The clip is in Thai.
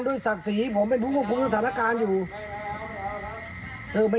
ด้วยศักดิ์ศรีผมเป็นผู้คุ้มคุณฐานการณ์อยู่ครับครับครับ